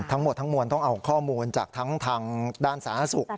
ทั้งหมดทั้งมวลต้องเอาข้อมูลจากทั้งทางด้านสาธารณสุข